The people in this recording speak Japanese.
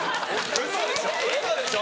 ウソでしょ？